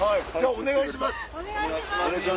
お願いします！